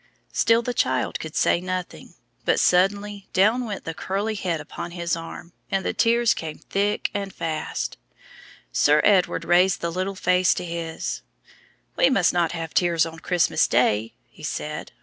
Still the child said nothing; but suddenly down went the curly head upon his arm, and the tears came thick and fast. Sir Edward raised the little face to his, "We must not have tears on Christmas Day," he said.